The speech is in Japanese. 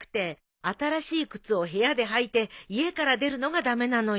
新しい靴を部屋で履いて家から出るのが駄目なのよ。